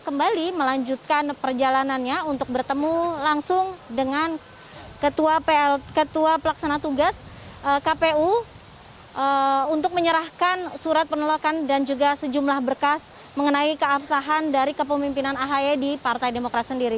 ketua pelaksana tugas kpu untuk menyerahkan surat penolakan dan juga sejumlah berkas mengenai keabsahan dari kepemimpinan ahy di partai demokrat sendiri